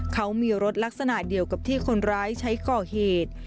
เขามีรถลักษณะเดียวกับที่คนร้ายใช้ก่อเหตุ